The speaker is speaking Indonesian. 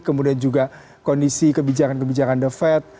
kemudian juga kondisi kebijakan kebijakan the fed